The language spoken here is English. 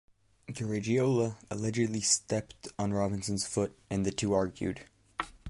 Garagiola allegedly stepped on Robinson's foot and the two argued.